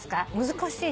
難しいな。